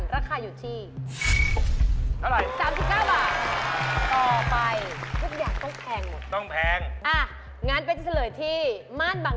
ราคาอยู่ที่ต้องแพงกว่า๓๙บาท